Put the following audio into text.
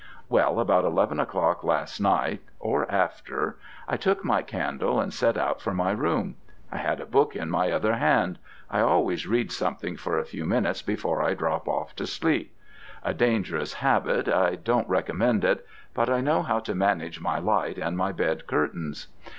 Well, about eleven o'clock last night, or after, I took my candle and set out for my room. I had a book in my other hand I always read something for a few minutes before I drop off to sleep. A dangerous habit: I don't recommend it: but I know how to manage my light and my bed curtains.